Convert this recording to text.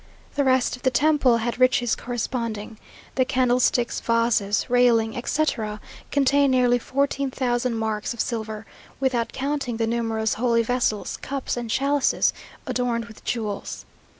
The rest of the temple had riches corresponding. The candlesticks, vases, railing, etc., contain nearly fourteen thousand marks of silver, without counting the numerous holy vessels, cups and chalices adorned with jewels.